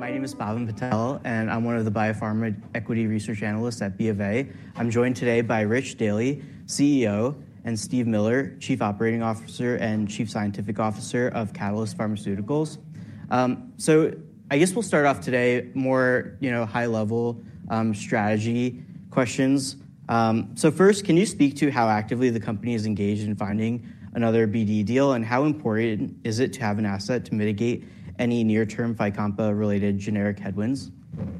My name is Pavan Patel, and I'm one of the Biopharma Equity Research Analysts at B of A. I'm joined today by Rich Daly, CEO, and Steve Miller, Chief Operating Officer and Chief Scientific Officer of Catalyst Pharmaceuticals. I guess we'll start off today more, you know, high-level, strategy questions. First, can you speak to how actively the company is engaged in finding another BD deal, and how important is it to have an asset to mitigate any near-term FYCOMPA-related generic headwinds?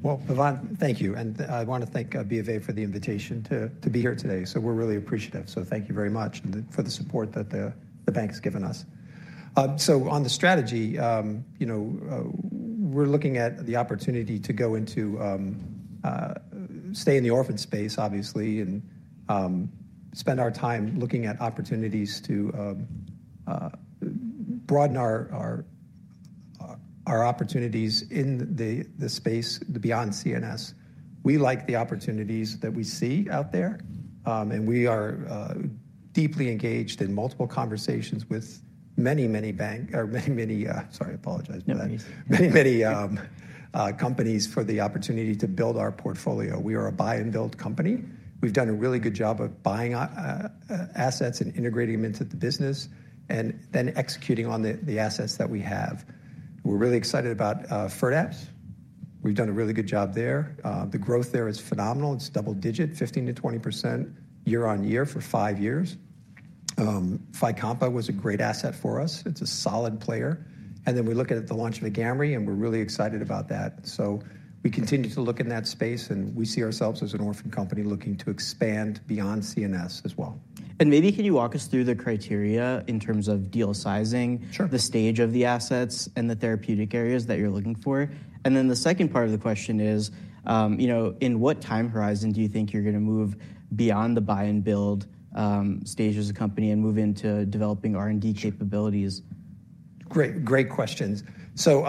Well, Pavan, thank you. I want to thank BofA for the invitation to be here today. So we're really appreciative. So thank you very much for the support that the bank's given us. So on the strategy, you know, we're looking at the opportunity to go into, stay in the orphaned space, obviously, and spend our time looking at opportunities to broaden our opportunities in the space beyond CNS. We like the opportunities that we see out there, and we are deeply engaged in multiple conversations with many, many bankers, sorry, I apologize for that. No, it's okay. Many, many companies for the opportunity to build our portfolio. We are a buy-and-build company. We've done a really good job of buying assets and integrating them into the business, and then executing on the assets that we have. We're really excited about FIRDAPSE. We've done a really good job there. The growth there is phenomenal. It's double-digit, 15%-20% year-over-year for five years. FYCOMPA was a great asset for us. It's a solid player. And then we look at the launch of AGAMREE, and we're really excited about that. So we continue to look in that space, and we see ourselves as an orphaned company looking to expand beyond CNS as well. Maybe can you walk us through the criteria in terms of deal sizing? Sure. The stage of the assets and the therapeutic areas that you're looking for? And then the second part of the question is, you know, in what time horizon do you think you're going to move beyond the buy-and-build stage as a company and move into developing R&D capabilities? Great, great questions. So,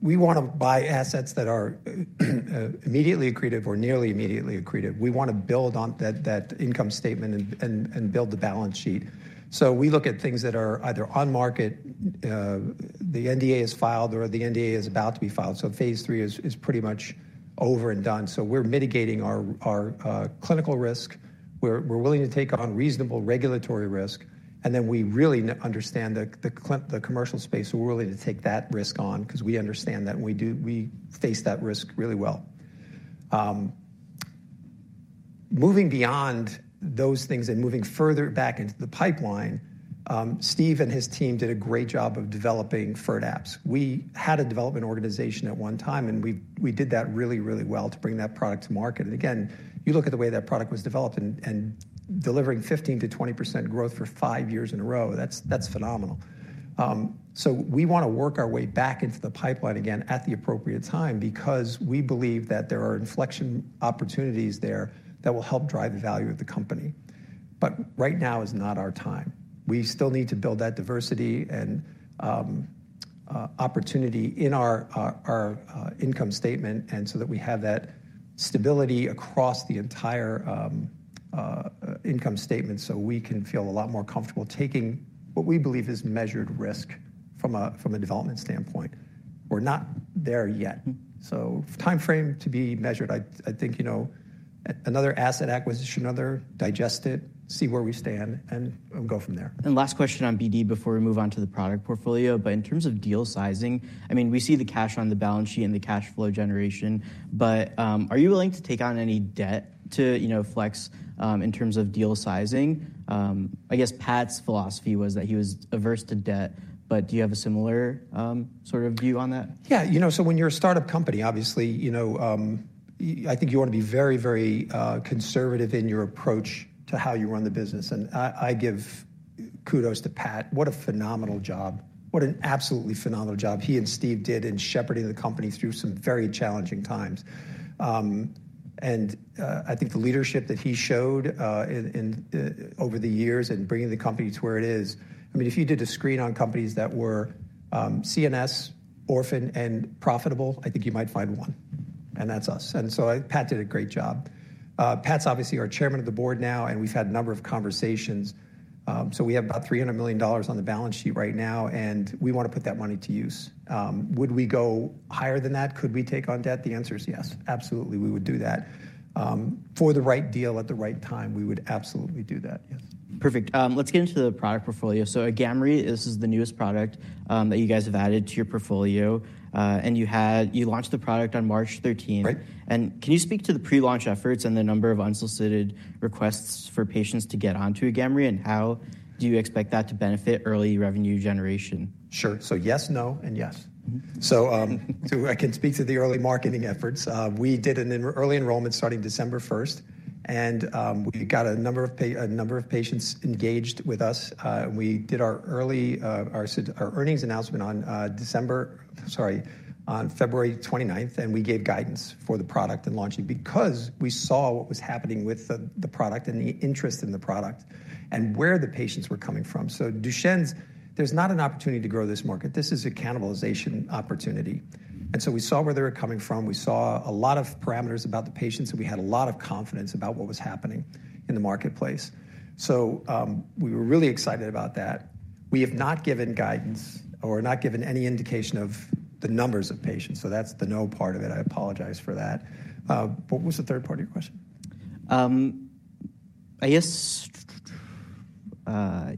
we want to buy assets that are immediately accretive or nearly immediately accretive. We want to build on that income statement and build the balance sheet. So we look at things that are either on market, the NDA is filed, or the NDA is about to be filed. So phase 3 is pretty much over and done. So we're mitigating our clinical risk. We're willing to take on reasonable regulatory risk. And then we really understand the commercial space, so we're willing to take that risk on because we understand that, and we face that risk really well. Moving beyond those things and moving further back into the pipeline, Steve and his team did a great job of developing FIRDAPSE. We had a development organization at one time, and we did that really, really well to bring that product to market. And again, you look at the way that product was developed and delivering 15%-20% growth for five years in a row, that's phenomenal. So we want to work our way back into the pipeline again at the appropriate time because we believe that there are inflection opportunities there that will help drive the value of the company. But right now is not our time. We still need to build that diversity and opportunity in our income statement and so that we have that stability across the entire income statement so we can feel a lot more comfortable taking what we believe is measured risk from a development standpoint. We're not there yet. So time frame to be measured. I think, you know, another asset acquisition, another, digest it, see where we stand, and go from there. Last question on BD before we move on to the product portfolio. In terms of deal sizing, I mean, we see the cash on the balance sheet and the cash flow generation, but, are you willing to take on any debt to, you know, flex, in terms of deal sizing? I guess Pat's philosophy was that he was averse to debt, but do you have a similar, sort of view on that? Yeah. You know, so when you're a startup company, obviously, you know, I think you want to be very, very, conservative in your approach to how you run the business. I give kudos to Pat. What a phenomenal job. What an absolutely phenomenal job he and Steve did in shepherding the company through some very challenging times. I think the leadership that he showed, in, in, over the years in bringing the company to where it is. I mean, if you did a screen on companies that were, CNS, orphan, and profitable, I think you might find one. And that's us. Pat did a great job. Pat's obviously our chairman of the board now, and we've had a number of conversations. We have about $300 million on the balance sheet right now, and we want to put that money to use. Would we go higher than that? Could we take on debt? The answer is yes. Absolutely, we would do that. For the right deal at the right time, we would absolutely do that. Yes. Perfect. Let's get into the product portfolio. So AGAMREE, this is the newest product that you guys have added to your portfolio. And you had launched the product on March 13th. Right. Can you speak to the pre-launch efforts and the number of unsolicited requests for patients to get onto AGAMREE, and how do you expect that to benefit early revenue generation? Sure. So yes, no, and yes. So, so I can speak to the early marketing efforts. We did an early enrollment starting December 1st, and we got a number of patients engaged with us. We did our early earnings announcement on December, sorry, on February 29th, and we gave guidance for the product and launching because we saw what was happening with the product and the interest in the product and where the patients were coming from. So Duchenne's, there's not an opportunity to grow this market. This is a cannibalization opportunity. And so we saw where they were coming from. We saw a lot of parameters about the patients, and we had a lot of confidence about what was happening in the marketplace. So, we were really excited about that. We have not given guidance or not given any indication of the numbers of patients. So that's the no part of it. I apologize for that. What was the third part of your question? I guess, I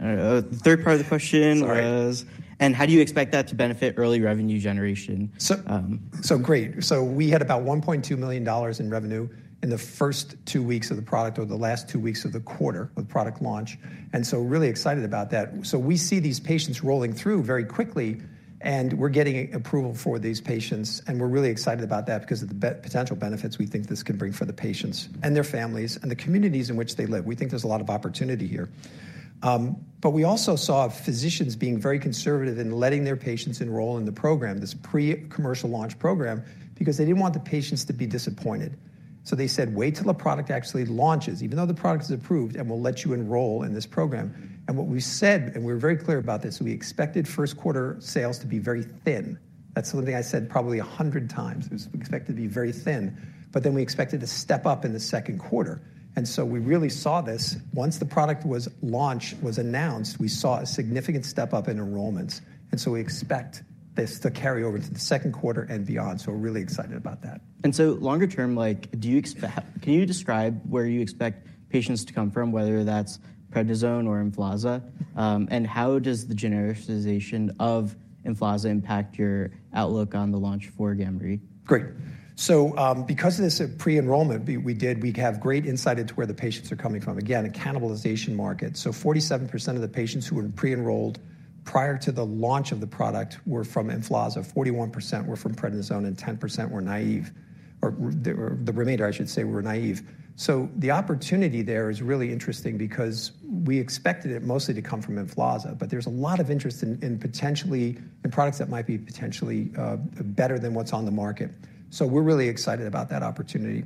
don't know. The third part of the question was. Sorry. How do you expect that to benefit early revenue generation? So, so great. We had about $1.2 million in revenue in the first two weeks of the product or the last two weeks of the quarter of the product launch. And so really excited about that. We see these patients rolling through very quickly, and we're getting approval for these patients. And we're really excited about that because of the potential benefits we think this can bring for the patients and their families and the communities in which they live. We think there's a lot of opportunity here. But we also saw physicians being very conservative in letting their patients enroll in the program, this pre-commercial launch program, because they didn't want the patients to be disappointed. So they said, "Wait till the product actually launches, even though the product is approved, and we'll let you enroll in this program." And what we said and we were very clear about this, we expected first-quarter sales to be very thin. That's something I said probably 100 times. It was expected to be very thin. But then we expected to step up in the second quarter. And so we really saw this once the product was launched, was announced, we saw a significant step up in enrollments. And so we expect this to carry over into the second quarter and beyond. So we're really excited about that. So longer term, like, do you expect can you describe where you expect patients to come from, whether that's prednisone or EMFLAZA? And how does the generalization of EMFLAZA impact your outlook on the launch for AGAMREE? Great. So, because of this, pre-enrollment, we did, we have great insight into where the patients are coming from. Again, a cannibalization market. So 47% of the patients who were pre-enrolled prior to the launch of the product were from EMFLAZA. 41% were from prednisone, and 10% were naive. Or the remainder, I should say, were naive. So the opportunity there is really interesting because we expected it mostly to come from EMFLAZA, but there's a lot of interest in potentially in products that might be potentially better than what's on the market. So we're really excited about that opportunity.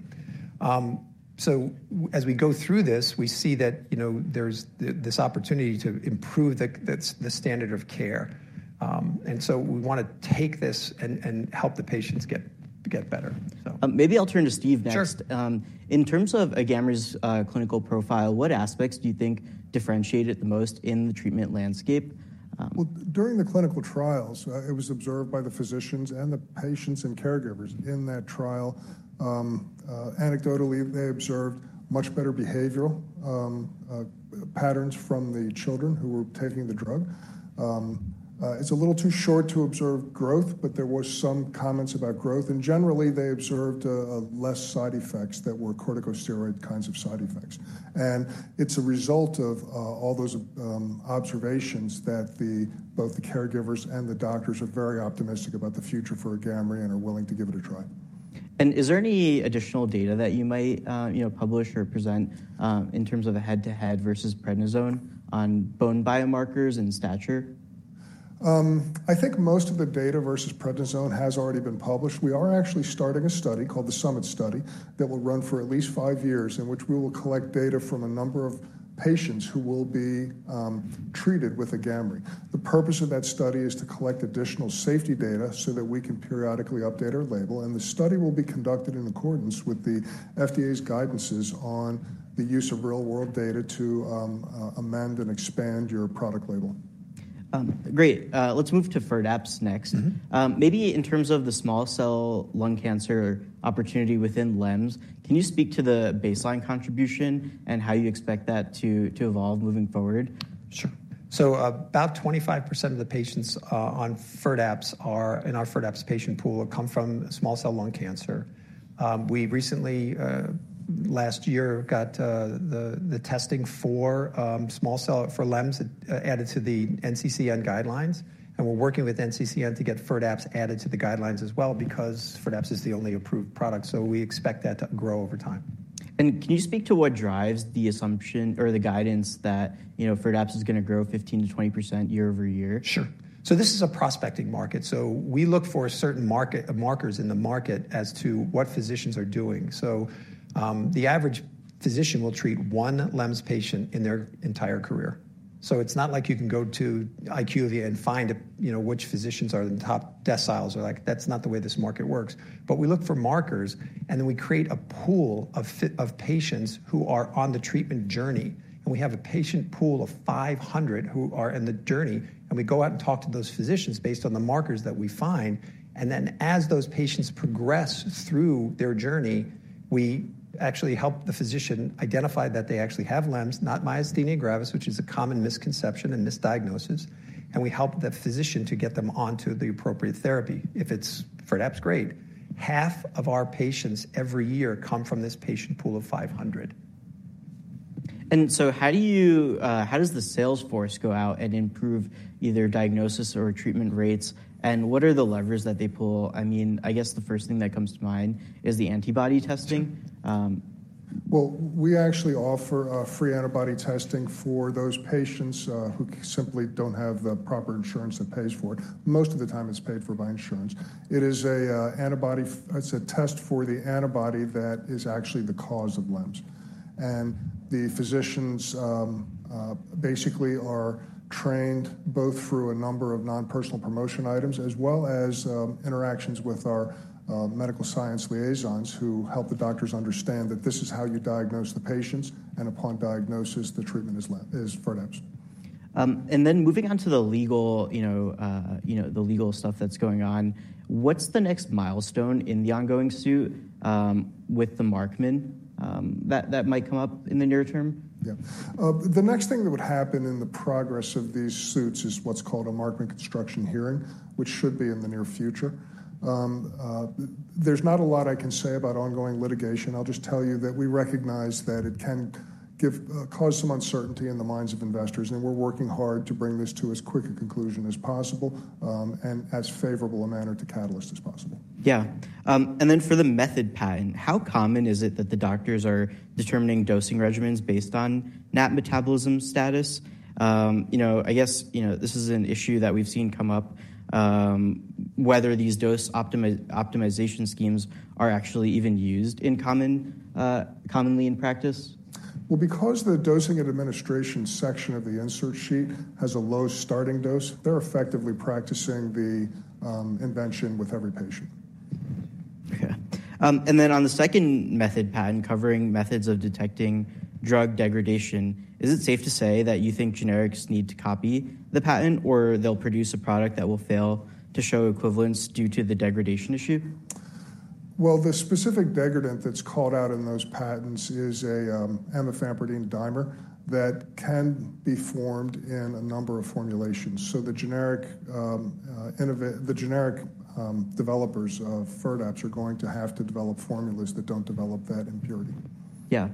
So as we go through this, we see that, you know, there's this opportunity to improve the standard of care. And so we want to take this and help the patients get better, so. Maybe I'll turn to Steve next. Sure. In terms of AGAMREE's clinical profile, what aspects do you think differentiate it the most in the treatment landscape? Well, during the clinical trials, it was observed by the physicians and the patients and caregivers in that trial. Anecdotally, they observed much better behavioral patterns from the children who were taking the drug. It's a little too short to observe growth, but there were some comments about growth. And generally, they observed less side effects that were corticosteroid kinds of side effects. And it's a result of all those observations that both the caregivers and the doctors are very optimistic about the future for AGAMREE and are willing to give it a try. Is there any additional data that you might, you know, publish or present, in terms of a head-to-head versus prednisone on bone biomarkers and stature? I think most of the data versus prednisone has already been published. We are actually starting a study called the Summit Study that will run for at least five years in which we will collect data from a number of patients who will be treated with AGAMREE. The purpose of that study is to collect additional safety data so that we can periodically update our label. The study will be conducted in accordance with the FDA's guidances on the use of real-world data to amend and expand your product label. Great. Let's move to FIRDAPSE next. Maybe in terms of the small-cell lung cancer opportunity within LEMS, can you speak to the baseline contribution and how you expect that to evolve moving forward? Sure. So, about 25% of the patients on FIRDAPSE in our FIRDAPSE patient pool come from small-cell lung cancer. We recently, last year got the testing for small-cell for LEMS added to the NCCN guidelines. And we're working with NCCN to get FIRDAPSE added to the guidelines as well because FIRDAPSE is the only approved product. So we expect that to grow over time. Can you speak to what drives the assumption or the guidance that, you know, FIRDAPSE is going to grow 15%-20% year-over-year? Sure. So this is a prospecting market. So we look for certain market markers in the market as to what physicians are doing. So, the average physician will treat one LEMS patient in their entire career. So it's not like you can go to IQVIA and find, you know, which physicians are the top deciles. Or, like, that's not the way this market works. But we look for markers, and then we create a pool of 50 patients who are on the treatment journey. And we have a patient pool of 500 who are in the journey. And we go out and talk to those physicians based on the markers that we find. And then as those patients progress through their journey, we actually help the physician identify that they actually have LEMS, not myasthenia gravis, which is a common misconception and misdiagnosis. We help the physician to get them onto the appropriate therapy. If it's FIRDAPSE, great. Half of our patients every year come from this patient pool of 500. And so how do you, how does the sales force go out and improve either diagnosis or treatment rates? And what are the levers that they pull? I mean, I guess the first thing that comes to mind is the antibody testing. Well, we actually offer free antibody testing for those patients who simply don't have the proper insurance that pays for it. Most of the time, it's paid for by insurance. It is an antibody test for the antibody that is actually the cause of LEMS. And the physicians basically are trained both through a number of non-personal promotion items as well as interactions with our medical science liaisons who help the doctors understand that this is how you diagnose the patients, and upon diagnosis, the treatment for LEMS is FIRDAPSE. Then moving on to the legal, you know, you know, the legal stuff that's going on, what's the next milestone in the ongoing suit with the Markman that might come up in the near term? Yeah. The next thing that would happen in the progress of these suits is what's called a Markman construction hearing, which should be in the near future. There's not a lot I can say about ongoing litigation. I'll just tell you that we recognize that it can give cause some uncertainty in the minds of investors. We're working hard to bring this to as quick a conclusion as possible, and as favorable a manner to Catalyst as possible. Yeah. And then for the method patent, how common is it that the doctors are determining dosing regimens based on NAT metabolism status? You know, I guess, you know, this is an issue that we've seen come up, whether these dose optimization schemes are actually even used in common, commonly in practice. Well, because the dosing administration section of the insert sheet has a low starting dose, they're effectively practicing the invention with every patient. Okay. Then, on the second method patent covering methods of detecting drug degradation, is it safe to say that you think generics need to copy the patent, or they'll produce a product that will fail to show equivalence due to the degradation issue? Well, the specific degradant that's called out in those patents is a Amifampridine dimer that can be formed in a number of formulations. So the generic innovators, the generic developers of FIRDAPSE are going to have to develop formulas that don't develop that impurity. Yeah,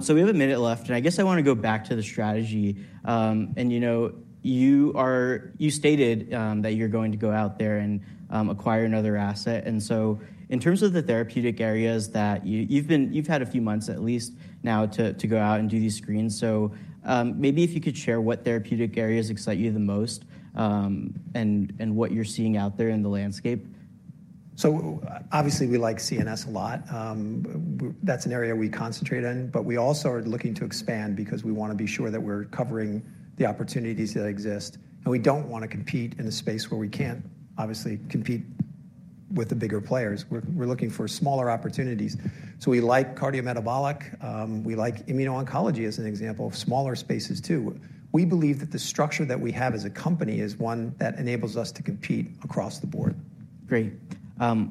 so we have a minute left. I guess I want to go back to the strategy. You know, you stated that you're going to go out there and acquire another asset. So in terms of the therapeutic areas that you've had a few months at least now to go out and do these screens. Maybe if you could share what therapeutic areas excite you the most, and what you're seeing out there in the landscape. So obviously, we like CNS a lot. Well, that's an area we concentrate in. But we also are looking to expand because we want to be sure that we're covering the opportunities that exist. And we don't want to compete in a space where we can't, obviously, compete with the bigger players. We're, we're looking for smaller opportunities. So we like cardiometabolic. We like immuno-oncology as an example of smaller spaces too. We believe that the structure that we have as a company is one that enables us to compete across the board. Great.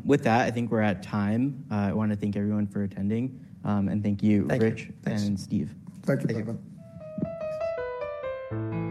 With that, I think we're at time. I want to thank everyone for attending. Thank you, Rich. Thank you. And Steve.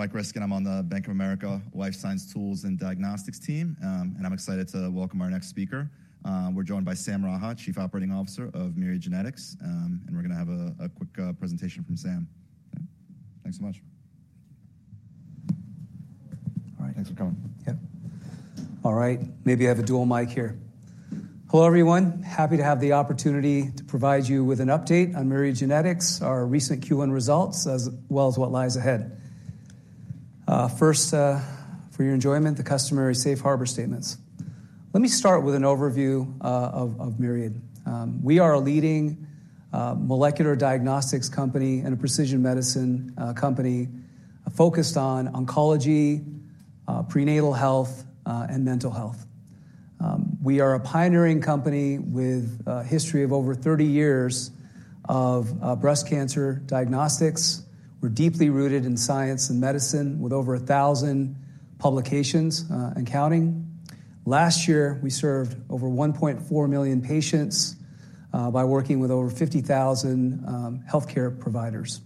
Thank you for having me. My name is Mike Ryskin, and I'm on the Bank of America Life Science Tools and Diagnostics team. I'm excited to welcome our next speaker. We're joined by Sam Raha, Chief Operating Officer of Myriad Genetics. We're going to have a quick presentation from Sam. Okay? Thanks so much. All right. Thanks for coming. Yep. All right. Maybe I have a dual mic here. Hello, everyone. Happy to have the opportunity to provide you with an update on Myriad Genetics, our recent Q1 results, as well as what lies ahead. First, for your enjoyment, the customary Safe Harbor Statements. Let me start with an overview of Myriad. We are a leading molecular diagnostics company and a precision medicine company, focused on oncology, prenatal health, and mental health. We are a pioneering company with a history of over 30 years of breast cancer diagnostics. We're deeply rooted in science and medicine with over 1,000 publications, and counting. Last year, we served over 1.4 million patients by working with over 50,000 healthcare providers.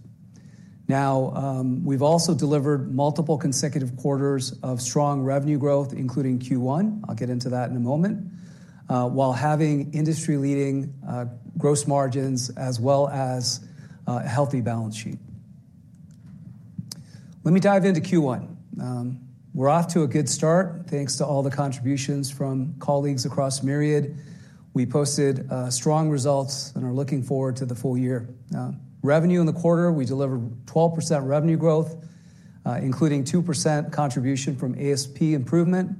Now, we've also delivered multiple consecutive quarters of strong revenue growth, including Q1. I'll get into that in a moment, while having industry-leading gross margins as well as a healthy balance sheet. Let me dive into Q1. We're off to a good start thanks to all the contributions from colleagues across Myriad. We posted strong results and are looking forward to the full year. Revenue in the quarter, we delivered 12% revenue growth, including 2% contribution from ASP improvement.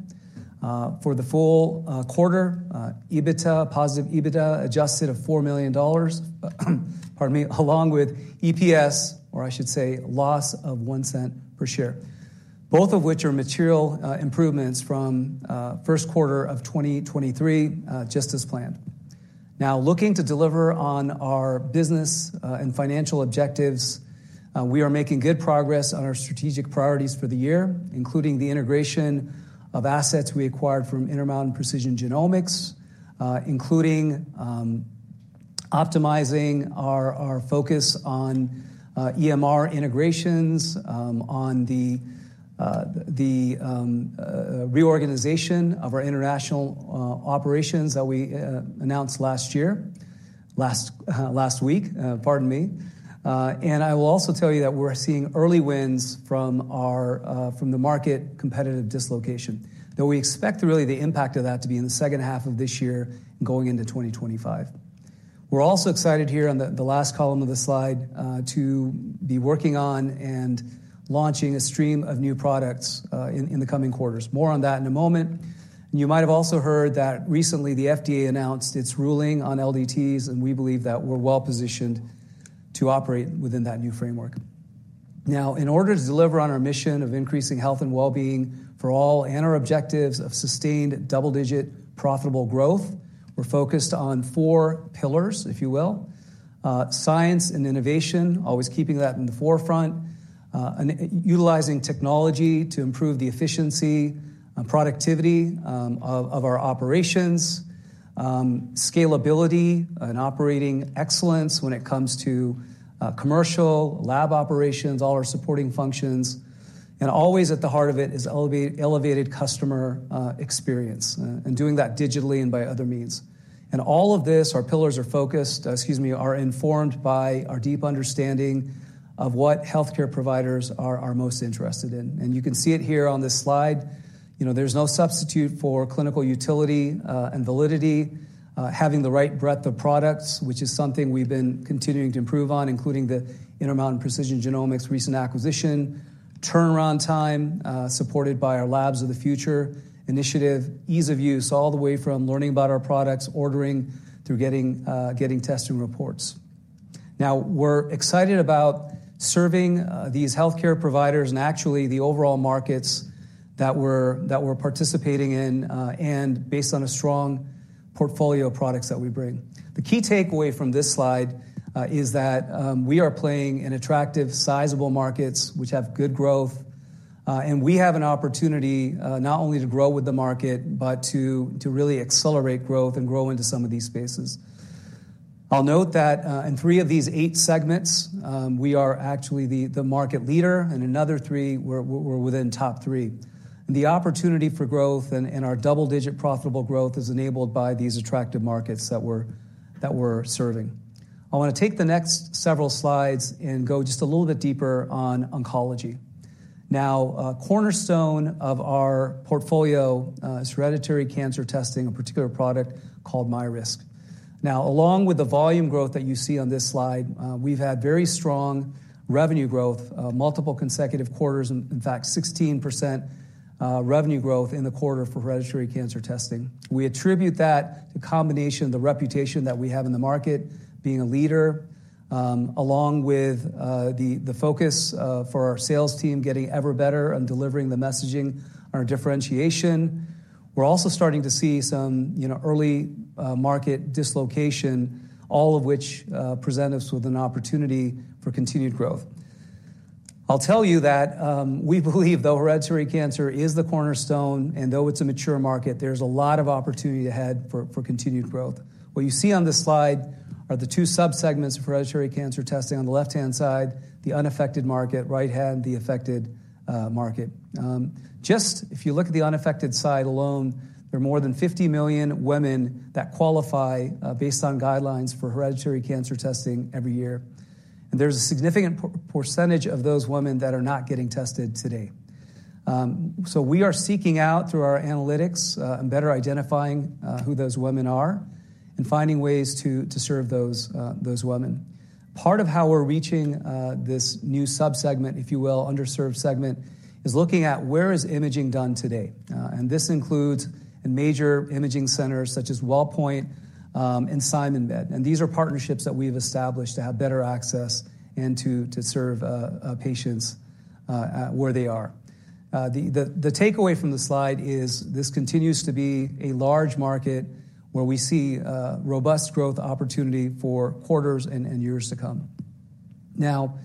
For the full quarter, positive EBITDA adjusted of $4 million. Pardon me. Along with EPS, or I should say, loss of $0.01 per share, both of which are material improvements from first quarter of 2023, just as planned. Now, looking to deliver on our business and financial objectives, we are making good progress on our strategic priorities for the year, including the integration of assets we acquired from Intermountain Precision Genomics, including optimizing our focus on EMR integrations, on the reorganization of our international operations that we announced last year last week. Pardon me. I will also tell you that we're seeing early wins from our, from the market competitive dislocation, though we expect really the impact of that to be in the second half of this year and going into 2025. We're also excited here on the, the last column of the slide, to be working on and launching a stream of new products, in, in the coming quarters. More on that in a moment. You might have also heard that recently, the FDA announced its ruling on LDTs, and we believe that we're well-positioned to operate within that new framework. Now, in order to deliver on our mission of increasing health and well-being for all and our objectives of sustained double-digit profitable growth, we're focused on four pillars, if you will: science and innovation, always keeping that in the forefront, and utilizing technology to improve the efficiency and productivity of our operations, scalability and operating excellence when it comes to commercial lab operations, all our supporting functions, and always at the heart of it is elevated customer experience, and doing that digitally and by other means. And all of this, our pillars are focused excuse me, are informed by our deep understanding of what healthcare providers are most interested in. And you can see it here on this slide. You know, there's no substitute for clinical utility, and validity, having the right breadth of products, which is something we've been continuing to improve on, including the Intermountain Precision Genomics recent acquisition, turnaround time, supported by our Labs of the Future initiative, ease of use all the way from learning about our products, ordering, through getting, getting testing reports. Now, we're excited about serving these healthcare providers and actually the overall markets that we're that we're participating in, and based on a strong portfolio of products that we bring. The key takeaway from this slide is that we are playing in attractive, sizable markets which have good growth, and we have an opportunity not only to grow with the market but to really accelerate growth and grow into some of these spaces. I'll note that, in three of these eight segments, we are actually the, the market leader, and in other three, we're, we're within top three. The opportunity for growth and, and our double-digit profitable growth is enabled by these attractive markets that we're that we're serving. I want to take the next several slides and go just a little bit deeper on oncology. Now, cornerstone of our portfolio, is hereditary cancer testing, a particular product called MyRisk. Now, along with the volume growth that you see on this slide, we've had very strong revenue growth, multiple consecutive quarters, and in fact, 16% revenue growth in the quarter for hereditary cancer testing. We attribute that to a combination of the reputation that we have in the market being a leader, along with, the, the focus, for our sales team getting ever better and delivering the messaging on our differentiation. We're also starting to see some, you know, early, market dislocation, all of which, presents us with an opportunity for continued growth. I'll tell you that, we believe, though, hereditary cancer is the cornerstone, and though it's a mature market, there's a lot of opportunity ahead for, for continued growth. What you see on this slide are the two subsegments of hereditary cancer testing on the left-hand side, the unaffected market, right-hand, the affected, market. Just if you look at the unaffected side alone, there are more than 50 million women that qualify, based on guidelines for hereditary cancer testing every year. And there's a significant percentage of those women that are not getting tested today. So we are seeking out through our analytics, and better identifying, who those women are and finding ways to, to serve those, those women. Part of how we're reaching this new subsegment, if you will, underserved segment, is looking at where imaging is done today. This includes major imaging centers such as Walmart and SimonMed Imaging. These are partnerships that we've established to have better access and to serve patients at where they are. The takeaway from the slide is this continues to be a large market where we see robust growth opportunity for quarters and years to come. Now,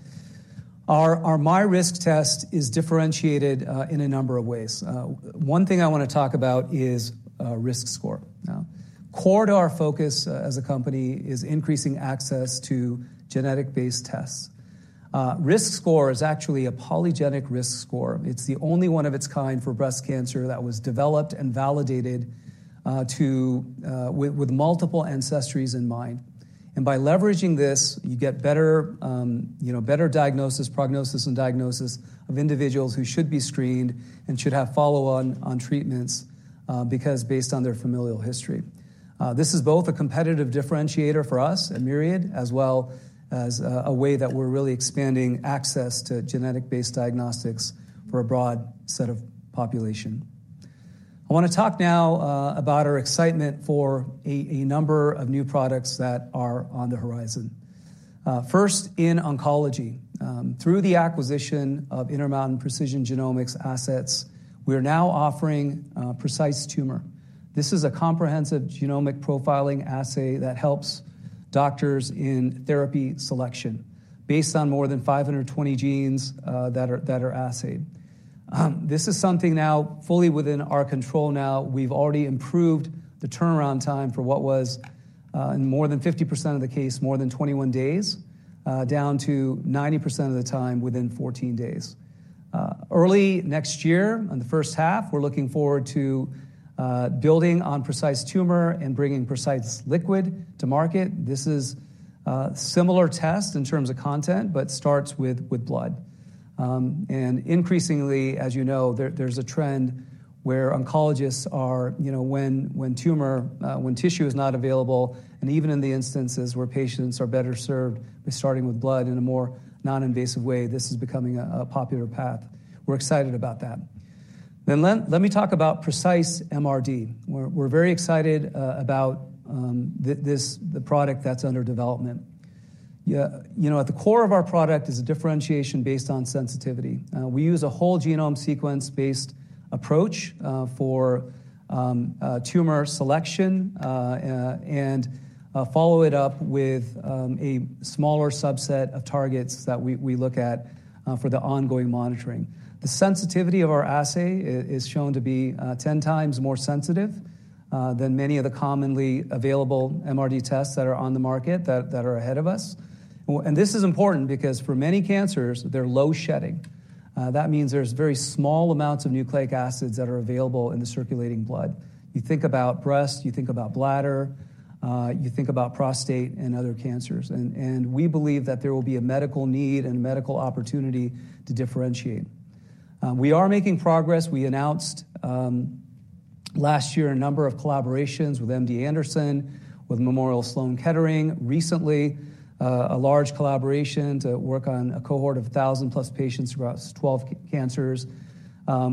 our MyRisk test is differentiated in a number of ways. One thing I want to talk about is RiskScore. Now, core to our focus as a company is increasing access to genetic-based tests. Risk score is actually a polygenic RiskScore. It's the only one of its kind for breast cancer that was developed and validated with multiple ancestries in mind. By leveraging this, you get better, you know, better diagnosis, prognosis, and diagnosis of individuals who should be screened and should have follow-on treatments, because based on their familial history. This is both a competitive differentiator for us at Myriad as well as a way that we're really expanding access to genetic-based diagnostics for a broad set of population. I want to talk now about our excitement for a number of new products that are on the horizon. First, in oncology, through the acquisition of Intermountain Precision Genomics assets, we are now offering Precise Tumor. This is a comprehensive genomic profiling assay that helps doctors in therapy selection based on more than 520 genes that are assayed. This is something now fully within our control. We've already improved the turnaround time for what was, in more than 50% of the case, more than 21 days, down to 90% of the time within 14 days. Early next year, in the first half, we're looking forward to building on Precise Tumor and bringing Precise Liquid to market. This is similar tests in terms of content but starts with blood. And increasingly, as you know, there's a trend where oncologists are, you know, when tumor tissue is not available, and even in the instances where patients are better served with starting with blood in a more non-invasive way, this is becoming a popular path. We're excited about that. Then let me talk about Precise MRD. We're very excited about this, the product that's under development. You know, at the core of our product is a differentiation based on sensitivity. We use a whole genome sequence-based approach for tumor selection and follow it up with a smaller subset of targets that we look at for the ongoing monitoring. The sensitivity of our assay is shown to be 10 times more sensitive than many of the commonly available MRD tests that are on the market that are ahead of us. And this is important because for many cancers, they're low-shedding. That means there's very small amounts of nucleic acids that are available in the circulating blood. You think about breast, you think about bladder, you think about prostate and other cancers. And we believe that there will be a medical need and a medical opportunity to differentiate. We are making progress. We announced last year a number of collaborations with MD Anderson, with Memorial Sloan Kettering recently, a large collaboration to work on a cohort of 1,000-plus patients across 12 cancers,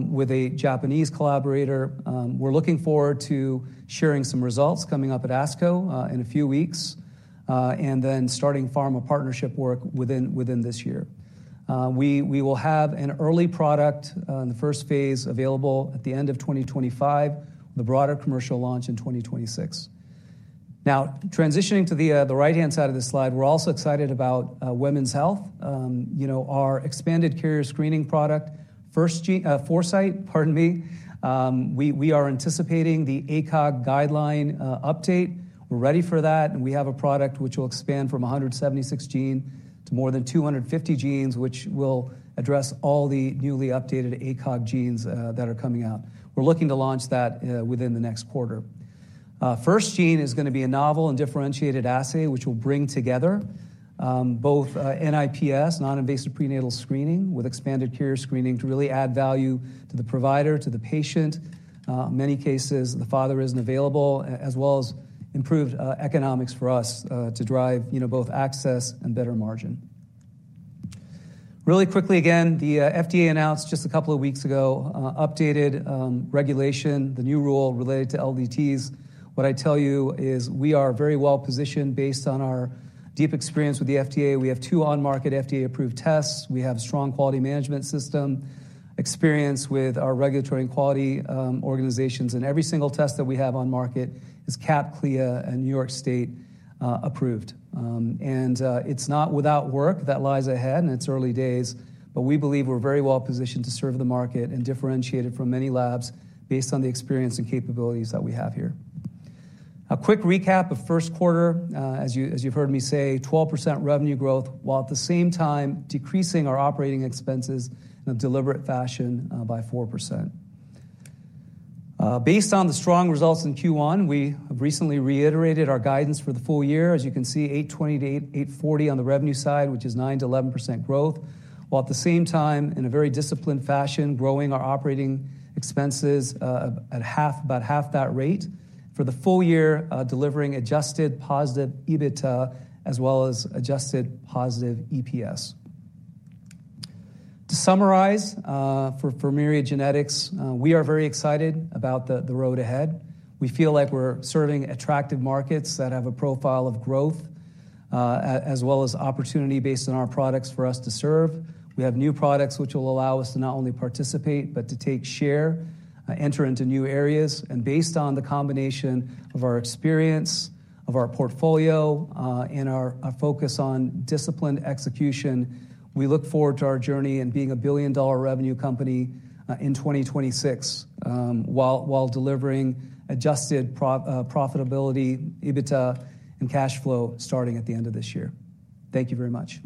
with a Japanese collaborator. We're looking forward to sharing some results coming up at ASCO in a few weeks, and then starting pharma partnership work within this year. We will have an early product in the first phase available at the end of 2025, the broader commercial launch in 2026. Now, transitioning to the right-hand side of this slide, we're also excited about Women's Health, you know, our expanded carrier screening product, FirstGene, Foresight, pardon me. We are anticipating the ACOG guideline update. We're ready for that. We have a product which will expand from 176 genes to more than 250 genes, which will address all the newly updated ACOG genes that are coming out. We're looking to launch that within the next quarter. FirstGene is going to be a novel and differentiated assay which will bring together both NIPS, non-invasive prenatal screening, with expanded carrier screening to really add value to the provider, to the patient. In many cases, the father isn't available, as well as improved economics for us to drive, you know, both access and better margin. Really quickly again, the FDA announced just a couple of weeks ago updated regulation, the new rule related to LDTs. What I tell you is we are very well-positioned based on our deep experience with the FDA. We have two on-market FDA-approved tests. We have a strong quality management system experience with our regulatory and quality organizations. Every single test that we have on market is CAP, CLIA, and New York State approved. It's not without work that lies ahead, and it's early days. We believe we're very well-positioned to serve the market and differentiated from many labs based on the experience and capabilities that we have here. A quick recap of first quarter, as you, as you've heard me say, 12% revenue growth while at the same time decreasing our operating expenses in a deliberate fashion, by 4%. Based on the strong results in Q1, we have recently reiterated our guidance for the full year. As you can see, $820-$840 on the revenue side, which is 9%-11% growth, while at the same time, in a very disciplined fashion, growing our operating expenses, at half, about half that rate for the full year, delivering adjusted positive EBITDA as well as adjusted positive EPS. To summarize, for Myriad Genetics, we are very excited about the road ahead. We feel like we're serving attractive markets that have a profile of growth, as well as opportunity based on our products for us to serve. We have new products which will allow us to not only participate but to take share, enter into new areas. Based on the combination of our experience, of our portfolio, and our focus on disciplined execution, we look forward to our journey and being a billion-dollar revenue company, in 2026, while delivering adjusted profitability, EBITDA, and cash flow starting at the end of this year. Thank you very much.